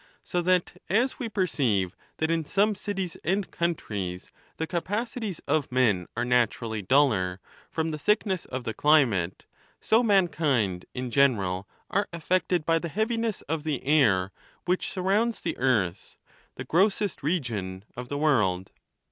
so that as we perceive that in some cities and countries the capacities of men are naturally duller, from the thickness of the climate, so mankind in general are affected by the heaviness of the air which surrounds the earth, the grossest region of the world.